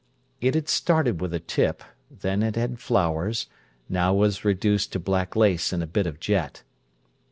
It had started with a tip; then had had flowers; now was reduced to black lace and a bit of jet.